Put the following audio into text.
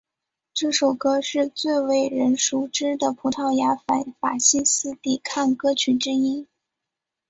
这首歌是最为人熟知的葡萄牙反法西斯抵抗歌曲之一。